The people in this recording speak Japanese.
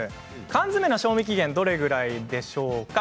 缶詰の賞味期限どれぐらいでしょうか？